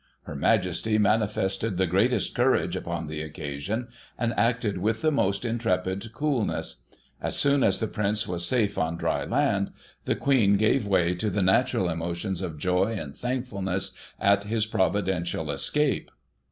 Her Majesty manifested the greatest courage upon the occasion, and acted with the most intrepid coolness As soon as the Prince was safe on dry land, the Queen gave way to the natural emotions of joy and thankfulness at his providential escape.